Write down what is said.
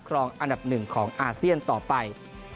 รองอันดับหนึ่งของอาเซียนต่อไป